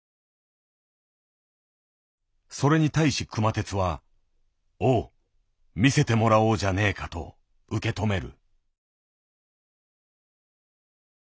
それに対し熊徹は「おう。見せてもらおうじゃねえか」と受け止める。